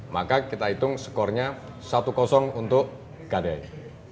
maka kita hitung skornya satu untuk gadei